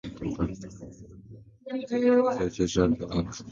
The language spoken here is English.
This led Jack to suffer a heart attack.